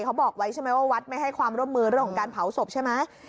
เขาบอกไว้ใช่ไหมว่าวัดไม่ให้ความร่วมมือเรื่องของการเผาศพใช่ไหม